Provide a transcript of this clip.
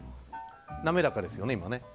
滑らかですよね、今。